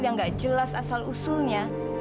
yang nggak jelas asal usulnya